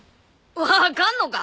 分かんのか？